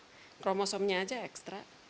ya kromosomnya aja ekstra